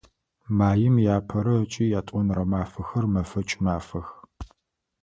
Маим иапэрэ ыкӏи иятӏонэрэ мафэхэр мэфэкӏ мафэх.